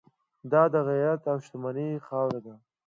دا د غیرت او شتمنۍ خاوره ده.